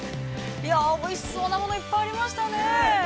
◆いや、おいしそうなものいっぱいありましたね。